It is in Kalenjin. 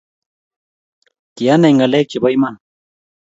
kianai ngalek chebo iman